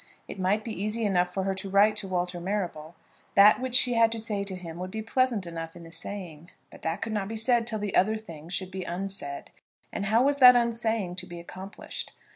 It might be easy enough for her to write to Walter Marrable. That which she had to say to him would be pleasant enough in the saying. But that could not be said till the other thing should be unsaid. And how was that unsaying to be accomplished?